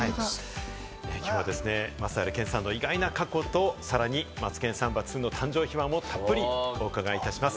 きょうはですね、松平健さんの意外な過去とさらに『マツケンサンバ２』の誕生秘話もたっぷりお伺いします。